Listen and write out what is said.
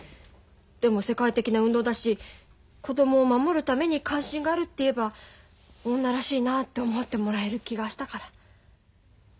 でも世界的な運動だし子供を守るために関心があるって言えば女らしいなって思ってもらえる気がしたから。